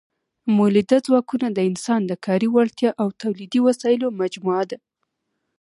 مؤلده ځواکونه د انسان د کاري وړتیا او تولیدي وسایلو مجموعه ده.